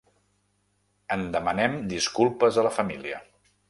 En demanem disculpes a la família.